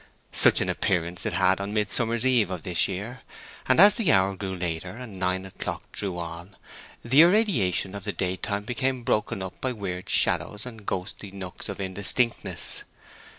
Such an appearance it had on Midsummer Eve of this year, and as the hour grew later, and nine o'clock drew on, the irradiation of the daytime became broken up by weird shadows and ghostly nooks of indistinctness.